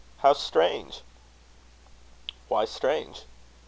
How strange!" "Why strange?"